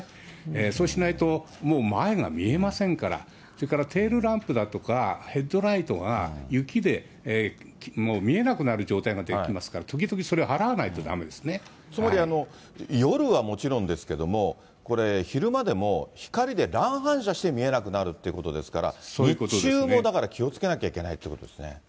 そうしないと、もう前が見えませんから、それからテールランプだとか、ヘッドライトが雪でもう見えなくなる状態ができますから、時々、つまり夜はもちろんですけれども、これ昼間でも、光で乱反射して見えなくなるってことですから、日中もだから気をつけなきゃいけないってことですね。